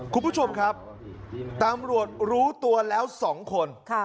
คุณผู้ชมครับตำรวจรู้ตัวแล้ว๒คน